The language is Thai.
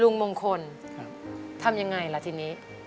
ลุงมงคลทำอย่างไรล่ะทีนี้